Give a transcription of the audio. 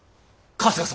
春日様！